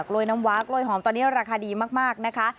กล้วยน้ำว้ากล้วยหอมตอนนี้ราคาดีมากนะคะ